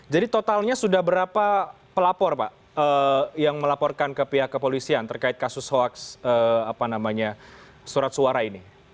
jadi totalnya sudah berapa pelapor pak yang melaporkan ke pihak kepolisian terkait kasus hoaks surat suara ini